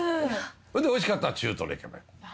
それでおいしかったら中トロいけばいい。